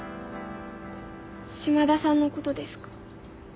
島田さんの事ですか？